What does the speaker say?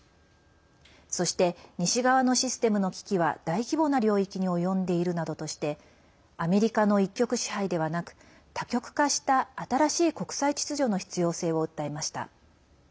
そして、西側のシステムの危機は大規模な領域に及んでいるなどとしてアメリカの一極支配ではなく多極化した、新しい国際秩序の必要性を訴えました。